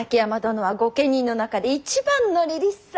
畠山殿は御家人の中で一番のりりしさ！